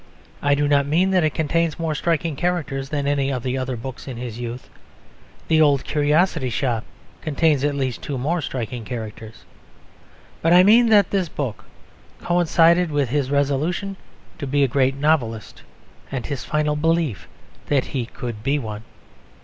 I do not mean that it contains more striking characters than any of the other books in his youth. The Old Curiosity Shop contains at least two more striking characters. But I mean that this book coincided with his resolution to be a great novelist and his final belief that he could be one.